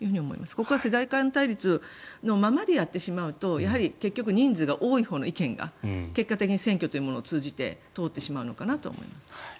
ここは世代間対立のままでやってしまうと結局、人数が多いほうの意見が結果的に選挙を通じて通ってしまうのかなとは思います。